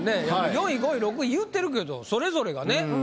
４位５位６位言うてるけどそれぞれがね。